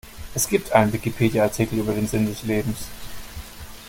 Es gibt einen Wikipedia-Artikel über den Sinn des Lebens.